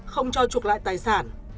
không cho chuộc lại tài sản